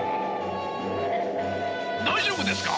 大丈夫ですか？